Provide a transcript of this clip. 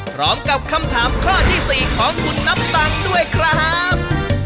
พร้อมกับคำถามข้อที่๔ของคุณน้ำตังค์ด้วยครับ